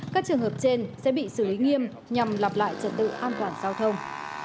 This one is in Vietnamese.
các trường hợp trên sẽ bị xử lý nghiêm nhằm lặp lại trật tự an toàn giao thông